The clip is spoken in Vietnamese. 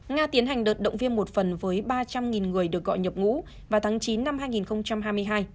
nga tiến hành đợt động viên một phần với ba trăm linh người được gọi nhập ngũ vào tháng chín năm hai nghìn hai mươi hai